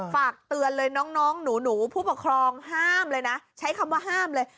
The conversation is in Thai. ฝากเตือนเลยน้องหนูผู้ปกครองห้ามเลยนะใช้คำว่าห้ามเลย